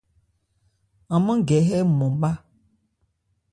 An mân gɛ hɛ ɔ́nmɔn má.